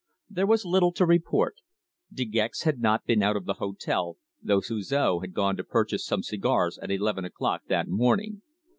There was little to report. De Gex had not been out of the hotel, though Suzor had gone to purchase some cigars at eleven o'clock that morning.